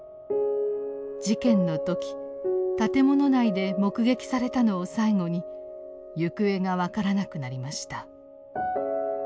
事件の時建物内で目撃されたのを最後に行方が分からなくなりました。